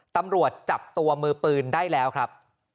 ตำรวจจับตัวมือปืนได้แล้วครับ